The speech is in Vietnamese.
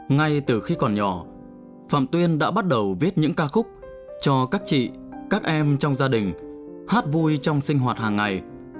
ngay từ khi còn nhỏ phạm tuyên đã bắt đầu viết những ca khúc cho các chị các em trong gia đình hát vui trong sinh hoạt hàng ngày